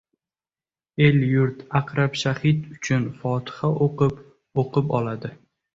El-yurt Aqrab shahid uchun fotiha o‘qib-o‘qib oladi.